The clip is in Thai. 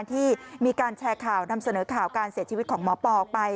ที่มีการแชร์ข่าวนำเสนอข่าวการเสียชีวิตของหมอปอออกไป